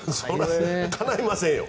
かないませんよ。